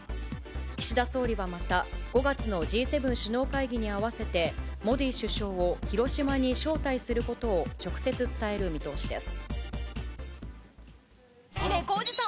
岸田総理はまた、５月のＧ７首脳会議に合わせて、モディ首相を広島に招待することを直接伝える見通しです。